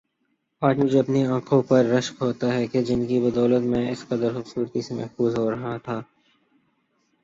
آج مجھے اپنی انکھوں پر رشک ہو رہا تھا جن کی بدولت میں اس قدر خوبصورتی سے محظوظ ہو رہا تھا